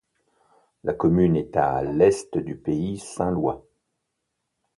La commune est à l'est du pays saint-lois.